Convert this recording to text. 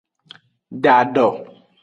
Da do.